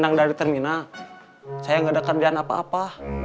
saya terminal saya nggak ada kardian apa apa